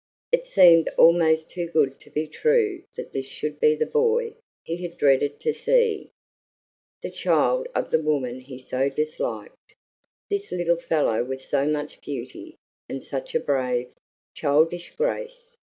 It seemed almost too good to be true that this should be the boy he had dreaded to see the child of the woman he so disliked this little fellow with so much beauty and such a brave, childish grace!